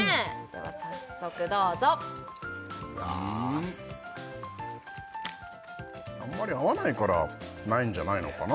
では早速どうぞあんまり合わないからないんじゃないのかな？